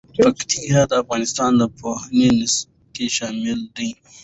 پکتیا د افغانستان د پوهنې نصاب کې شامل دي.